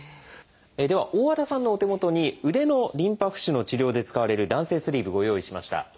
では大和田さんのお手元に腕のリンパ浮腫の治療で使われる弾性スリーブご用意しました。